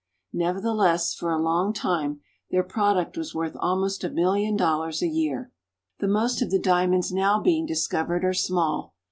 Nevertheless, for a long time, their product was worth almost a million dollars a year. The most of the diamonds now being discovered are small.